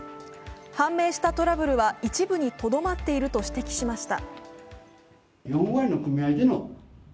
判明したトラブルは一部にとどまっていると指摘しました。